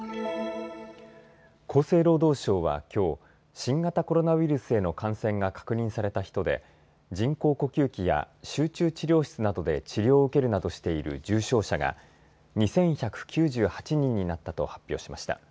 厚生労働省はきょう、新型コロナウイルスへの感染が確認された人で人工呼吸器や集中治療室などで治療を受けるなどしている重症者が２１９８人になったと発表しました。